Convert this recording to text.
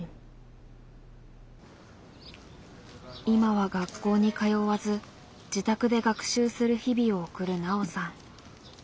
今は学校に通わず自宅で学習する日々を送るナオさん。